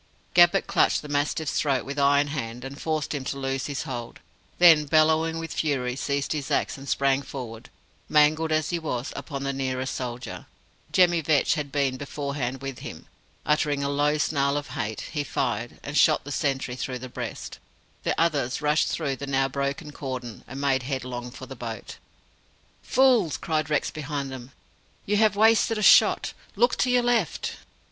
Gabbett clutched the mastiff's throat with iron hand, and forced him to loose his hold; then, bellowing with fury, seized his axe and sprang forward, mangled as he was, upon the nearest soldier. Jemmy Vetch had been beforehand with him. Uttering a low snarl of hate, he fired, and shot the sentry through the breast. The others rushed through the now broken cordon, and made headlong for the boat. "Fools!" cried Rex behind them. "You have wasted a shot! LOOK TO YOUR LEFT!"